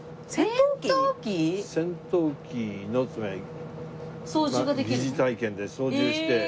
戦闘機の疑似体験で操縦して。